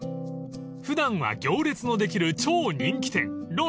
［普段は行列のできる超人気店論露に不二］